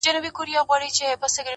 دا تور بدرنګه دا زامن د تیارو٫